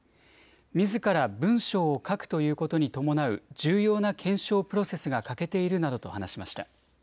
みずから文章を書くということに伴う重要な検証プロセスが欠けているなどと話しました。